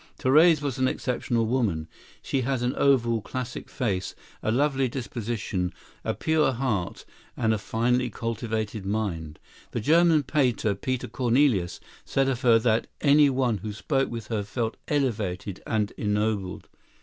Therese was an exceptional woman. She had an oval, classic face, a lovely disposition, a pure heart and a finely cultivated mind. The German painter, Peter Cornelius, said of her that any one who spoke with her felt elevated and ennobled.